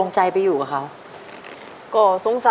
ใช่ค่ะค่ะค่ะค่ะ